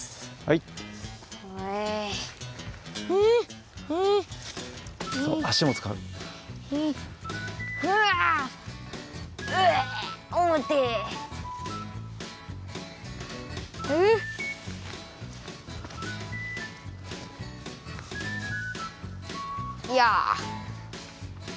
いや。